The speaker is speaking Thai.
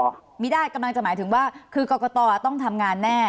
กำลังจะหมายถึงว่ากะกะต่อต้องทำงานแน่